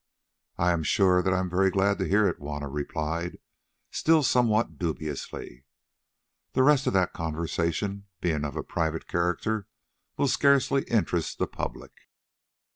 "I am sure that I am very glad to hear it," Juanna replied, still somewhat dubiously. The rest of that conversation, being of a private character, will scarcely interest the public.